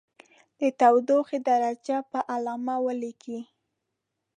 د تودوخې درجه په علامه ولیکئ.